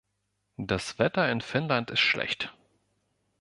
Das Wetter in Finnland ist schlecht.